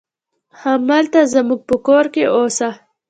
همالته زموږ په کور کې اوسه.